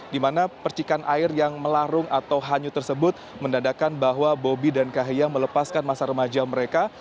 di mana percikan air yang melarung atau hanyut tersebut mendadakan bahwa bobi dan kahiyang melepaskan masa remaja mereka